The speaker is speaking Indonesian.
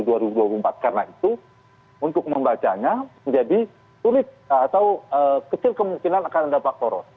karena itu untuk membacanya menjadi sulit atau kecil kemungkinan akan dapat poros